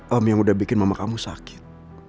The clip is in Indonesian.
om yang udah bikin mama kamu sakit